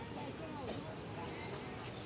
สวัสดีครับทุกคน